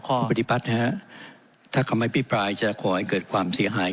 คุณปฏิบัตินะครับถ้าคำให้พี่ปลายจะขอให้เกิดความเสียหาย